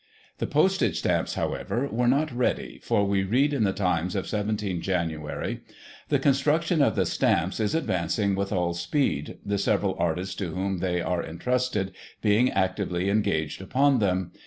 The Postage Stamps, however, were not ready, for we read in the Times of 17 Jan.: "The construction of the stamps is advancing with all speed, the several artists to whom they are intrusted being actively engaged upon them.